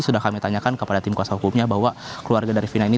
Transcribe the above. sudah kami tanyakan kepada tim kuasa hukumnya bahwa keluarga dari fina ini